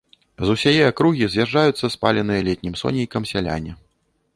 З усяе акругі з'язджаюцца спаленыя летнім сонейкам сяляне.